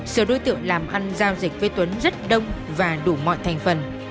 sự đối tượng làm ăn giao dịch với tuấn rất đông và đủ mọi thành phần